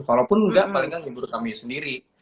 kalaupun nggak paling nggak ngibur kami sendiri